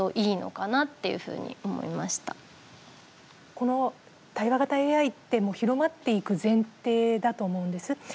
この対話型ＡＩって広まっていく前提だと思うんです。